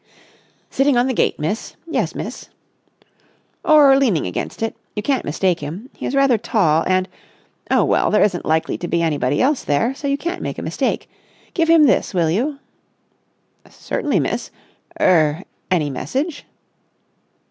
"Sitting on the gate, miss. Yes, miss." "Or leaning against it. You can't mistake him. He is rather tall and ... oh, well, there isn't likely to be anybody else there, so you can't make a mistake. Give him this, will you?" "Certainly, miss. Er—any message?"